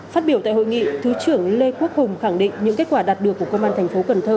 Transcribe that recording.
phát biểu tại hội nghị thứ trưởng lê quốc hùng khẳng định những kết quả đạt được của công an thành phố cần thơ